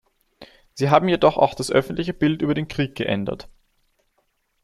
Sie haben jedoch auch das öffentliche Bild über den Krieg geändert.